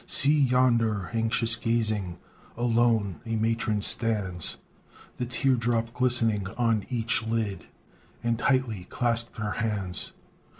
See yonder, anxious gazing, Alone a matron stands, The tear drop glistening on each lid, And tightly clasped her hands.